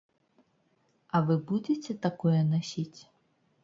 А вы будзеце такое насіць?